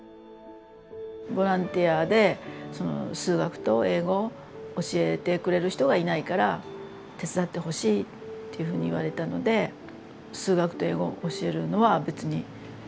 ボランティアでその数学と英語を教えてくれる人がいないから手伝ってほしいっていうふうに言われたので数学と英語教えるのは別にそのいいかな。